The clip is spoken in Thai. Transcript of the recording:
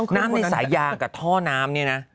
น้ำในสายยางกับท่อน้ำนี่นะ